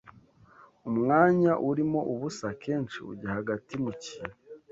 Umwanya urimo ubusa akenshi ujya hagati mu kintu,